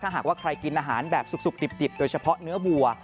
หากว่าใครกินอาหารแบบสุกดิบโดยเฉพาะเนื้อวัว